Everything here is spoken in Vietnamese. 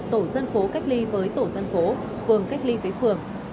tổ dân phố cách ly với tổ dân phố phường cách ly với phường